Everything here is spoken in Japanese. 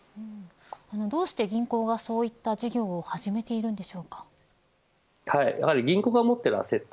どうして銀行がそういった事業を銀行が持っているアセット